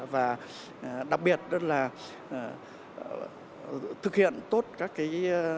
và đặc biệt là thực hiện tốt các cái